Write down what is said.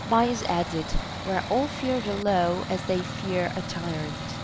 Bias added, Where all fear the law as they fear a tyrant.